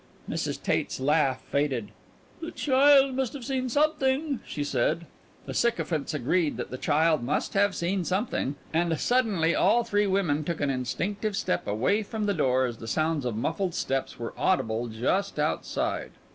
Mrs. Tate's laugh faded. "The child must have seen something," she said. The sycophants agreed that the child must have seen something and suddenly all three women took an instinctive step away from the door as the sounds of muffled steps were audible just outside.